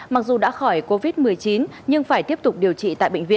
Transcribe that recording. mặc dù đã khỏi covid một mươi chín nhưng phải tiếp tục điều trị